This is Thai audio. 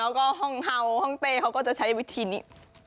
แล้วก็ห้องเฮาห้องเต้เขาก็จะใช้วิธีนี้